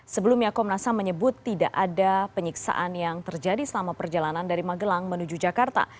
sebelumnya komnas ham menyebut tidak ada penyiksaan yang terjadi selama perjalanan dari magelang menuju jakarta